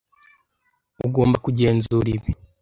Ugomba kugenzura ibi.